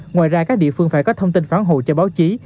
ngoài ra các địa phương phải có thông tin phán hồ cho báo chí